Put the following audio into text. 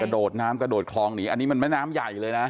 โดดน้ำกระโดดคลองหนีอันนี้มันแม่น้ำใหญ่เลยนะ